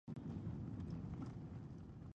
هغوی خپل مسؤلیتونه وپیژني.